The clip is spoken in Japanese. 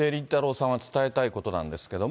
さんは伝えたいことなんですけれども。